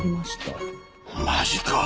マジか。